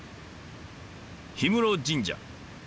氷室神社。